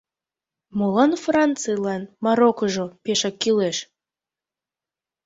Молан Францийлан Мароккыжо пешак кӱлеш?